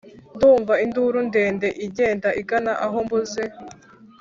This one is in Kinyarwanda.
ndumva induru ndende igenda igana aho mbunze